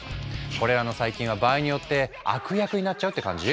これらの細菌は場合によって悪役になっちゃうって感じ。